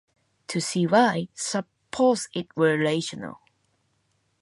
To see why, suppose it were rational.